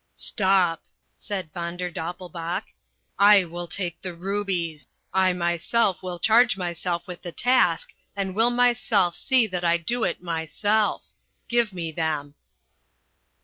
"Stop," said Von der Doppelbauch. "I will take the rubies. I myself will charge myself with the task and will myself see that I do it myself. Give me them."